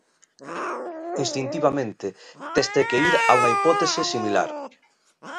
Instintivamente teste que ir a unha hipótese similar.